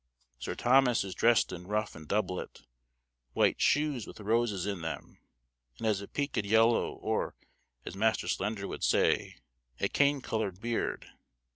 Sir Thomas is dressed in ruff and doublet, white shoes with roses in them, and has a peaked yellow, or, as Master Slender would say, "a cane colored beard."